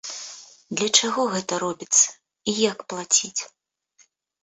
Для чаго гэта робіцца і як плаціць?